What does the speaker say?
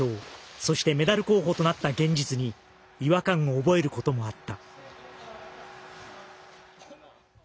そしてメダル候補となった現実に違和感を覚えることもあった。